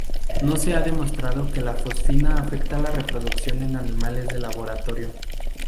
No se ha demostrado que la fosfina afecta la reproducción en animales de laboratorio.